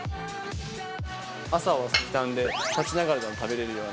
朝は立ちながらでも食べれるような。